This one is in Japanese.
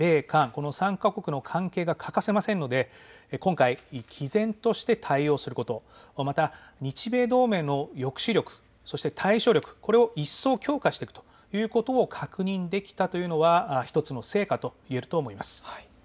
この３か国の関係が欠かせませんので、今回、きぜんとして対応すること、また日米同盟の抑止力、そして対処力、これを一層強化していくということを確認できたというのは１つの成果といえると思います。